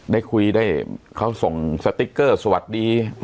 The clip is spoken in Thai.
ได้คุยได้เขาส่งสติ๊กเกอร์สวัสดี